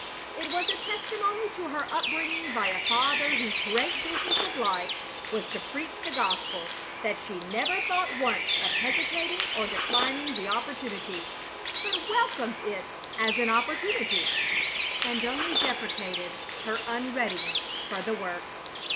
It was a testimony to her upbringing by a father whose great business of life was to preach the gospel that she never thought once of hesitating or declining the opportunity, but welcomed it as an opportunity, and only deprecated her unreadiness for the work.